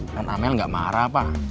non amel nggak marah pak